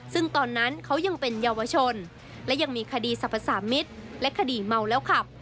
ซึ่งตอนนั้นเขายังเป็นเยาวชนและยังมีคดีสรรพสามิตรและคดีเมาแล้วขับ